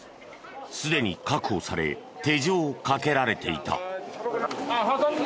すでに確保され手錠をかけられていた。